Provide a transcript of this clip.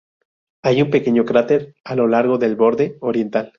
Hay un pequeño cráter a lo largo del borde oriental.